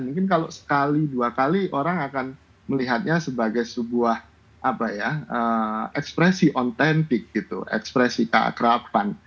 mungkin kalau sekali dua kali orang akan melihatnya sebagai sebuah apa ya ekspresi ontentik gitu ekspresi keakrakan